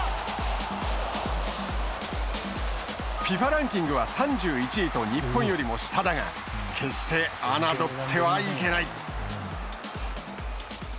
ＦＩＦＡランキングは３１位と日本よりも下だが決して侮ってはいけない。